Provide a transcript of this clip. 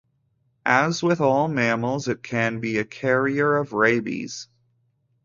As with all mammals, it can be a carrier of rabies.